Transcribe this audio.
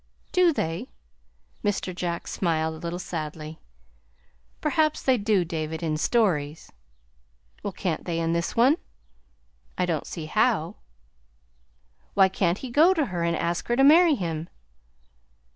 "Do they?" Mr. Jack smiled a little sadly. "Perhaps they do, David, in stories." "Well, can't they in this one?" "I don't see how." "Why can't he go to her and ask her to marry him?"